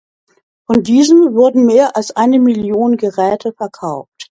Von diesem wurden mehr als eine Million Geräte verkauft.